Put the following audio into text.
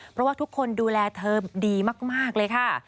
เพราะว่าทุกคนดูแลเธอดีมากเลยค่ะ